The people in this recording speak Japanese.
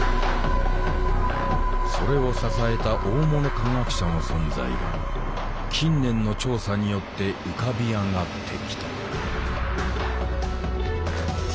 それを支えた大物科学者の存在が近年の調査によって浮かび上がってきた。